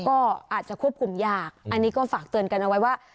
ก็อาจจะควบคุมยากอันนี้ก็ฝากเตือนกันเอาไว้ว่า